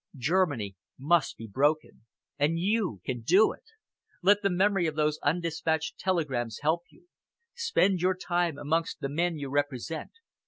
Germany must be broken, and you can do it. Let the memory of those undispatched telegrams help you. Spend your time amongst the men you represent.